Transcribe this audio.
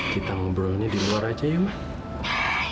kita ngobrolnya di luar aja ya mbak